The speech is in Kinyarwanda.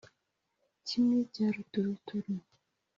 kimwe cya ruturuturu